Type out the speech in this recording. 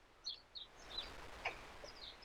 Lliɣ ttwafecceceɣ.